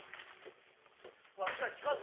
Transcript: わしは聞かんぞ！